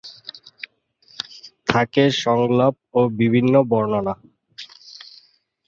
থাকে সংলাপ ও বিভিন্ন বর্ণনা।